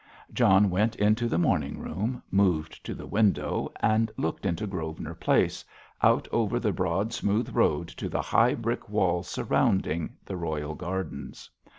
John went into the morning room, moved to the window and looked into Grosvenor Place, out over the broad smooth road to the high brick wall surrounding the royal gardens.